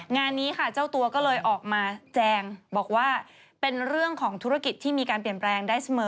งานนี้ค่ะเจ้าตัวก็เลยออกมาแจงบอกว่าเป็นเรื่องของธุรกิจที่มีการเปลี่ยนแปลงได้เสมอ